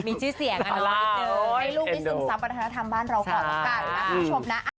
มีชื่อเสียงอ่ะน้องที่เจอให้ลูกมีสินทรัพย์ประทานธรรมบ้านเราก่อนกันนะคุณผู้ชมนะ